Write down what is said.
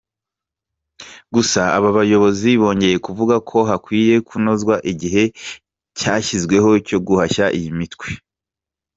Gusa aba bayobozi bongeye kuvuga ko hakwiye kunozwa igihe cyashyizweho cyo guhashya iyi mitwe.